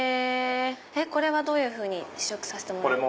これはどういうふうに試食させてもらえるんですか？